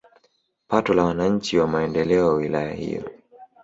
Pato la wananchi na maendeleo wilaya hiyo